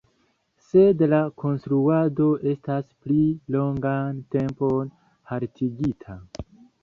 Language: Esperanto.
Sed la konstruado estas pli longan tempon haltigita.